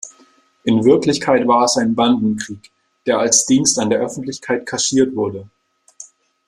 In Wirklichkeit war es ein Bandenkrieg, der als Dienst an der Öffentlichkeit kaschiert wurde.